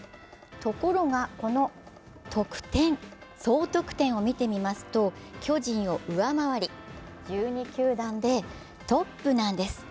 ところが総得点を見てみますと、巨人を上回り、１２球団でトップなんです。